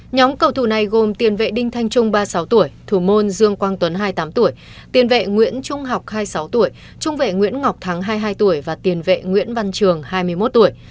nhóm cầu thủ này gồm tiền vệ đinh thanh trung ba mươi sáu tuổi thủ môn dương quang tuấn hai mươi tám tuổi tiền vệ nguyễn trung học hai mươi sáu tuổi trung vệ nguyễn ngọc thắng hai mươi hai tuổi và tiền vệ nguyễn văn trường hai mươi một tuổi